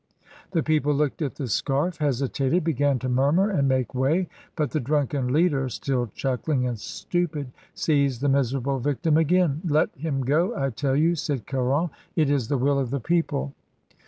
The people looked at the scarf, hesitated, began to murmur and make way, but the drunken leader, still chuckling and stupid, seized the miserable victim again. "Let him go, I tell you," said Caron. "It is the will of the people."